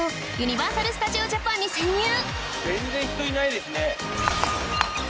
全然人いないですね。